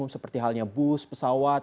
seperti halnya bus pesawat